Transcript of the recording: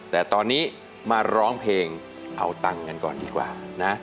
แต่ตอนนี้มาร้องเพลงเอาตังค์กันก่อนดีกว่านะ